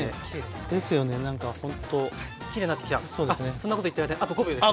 そんなこと言ってる間にあと５秒です。